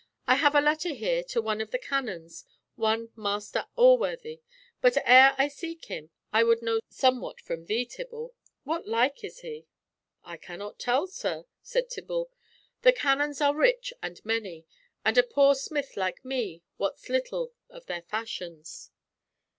I have a letter here to one of the canons, one Master Alworthy, but ere I seek him I would know somewhat from thee, Tibble. What like is he?" "I cannot tell, sir," said Tibble. "The canons are rich and many, and a poor smith like me wots little of their fashions."